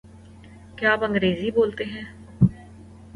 کیا آپ انگریزی بولتے ہیں؟